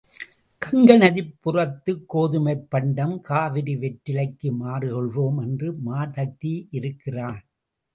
கங்கை நதிப்புறத்துக் கோதுமைப் பண்டம் காவிரி வெற்றிலைக்கு மாறு கொள்வோம் என்று மார் தட்டியிருக்கிறான்.